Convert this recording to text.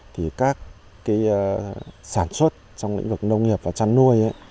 thì các cái sản xuất trong lĩnh vực nông nghiệp và chăn nuôi